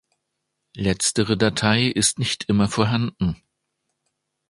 Letztere Datei ist nicht immer vorhanden.